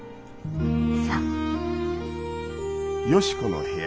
そう。